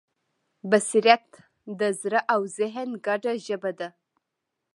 بصیرت د زړه او ذهن ګډه ژبه ده.